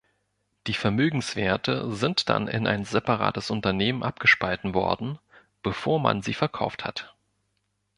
Die Vermögenswerte sind dann in ein separates Unternehmen abgespalten worden, bevor man sie verkauft hat.